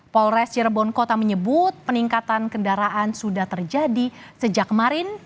polres cirebon kota menyebut peningkatan kendaraan sudah terjadi sejak kemarin